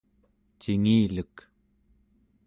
cingilek